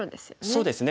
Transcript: そうですね。